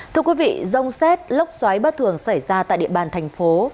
thưa quý vị rông xét lốc xoáy bất thường xảy ra tại địa bàn thành phố